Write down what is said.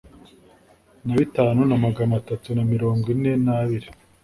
Na bitanu na magana atatu na mirongo ine n abiri